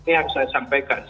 ini harus saya sampaikan